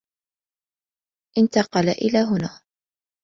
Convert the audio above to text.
انتقل إلى هنا.